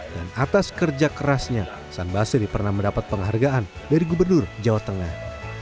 dan atas kerja kerasnya san basri pernah mendapat penghargaan dari gubernur jawa tengah